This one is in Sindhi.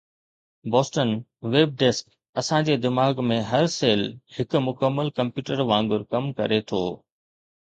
بوسٽن ويب ڊيسڪ اسان جي دماغ ۾ هر سيل هڪ مڪمل ڪمپيوٽر وانگر ڪم ڪري ٿو